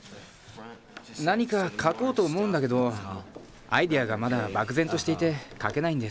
何か描こうと思うんだけどアイデアがまだ漠然としていて描けないんです。